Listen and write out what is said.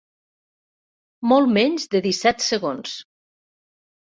Molt menys de disset segons.